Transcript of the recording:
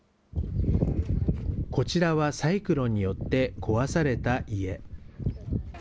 こちらはサイクロンによって壊された家。